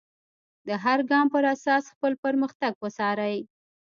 د هر ګام پر اساس خپل پرمختګ وڅارئ.